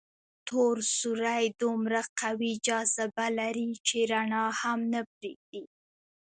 تور سوري دومره قوي جاذبه لري چې رڼا هم نه پرېږدي.